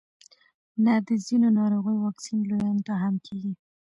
نه د ځینو ناروغیو واکسین لویانو ته هم کیږي